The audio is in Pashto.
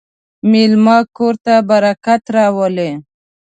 مېلمه کور ته برکت راولي.